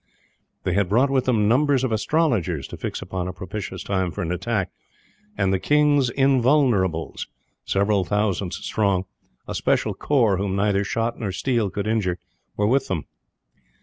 They had brought with them numbers of astrologers, to fix upon a propitious time for an attack; and the king's Invulnerables, several thousands strong a special corps, whom neither shot nor steel could injure were with them.